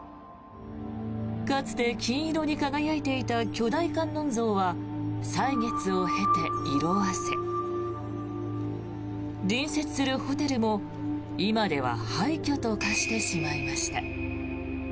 かつて金色に輝いていた巨大観音像は歳月を経て色あせ隣接するホテルも今では廃虚と化してしまいました。